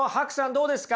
どうですか？